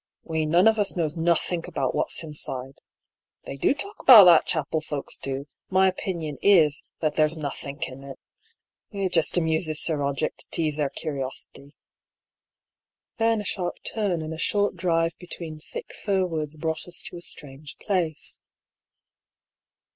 We none of us knows nothink about wot's inside. They do talk about that chapel, folks do. My opinion is, that there's nothink in it ; it just amuses Sir Eoderick to tease their curiosity." Then a sharp turn and a short drive between thick firwoods brought us to a strange place.